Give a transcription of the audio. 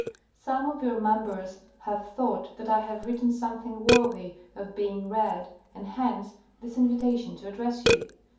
Some of your members have thought that I have written something worthy of being read, and hence this invitation to address you.